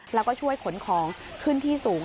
แล้วก็ช่วยขนของขึ้นที่สูง